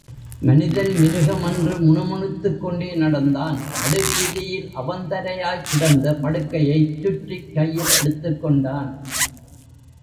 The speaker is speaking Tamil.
மனிதன் மிருகம்...! என்று முணுமுணுத்துக் கொண்டே நடந்தான் நடு வீதியில் அவந்தரையாய்க் கிடந்த படுக்கையைச் சுற்றிக் கையில் எடுத்துக்கொண்டான்.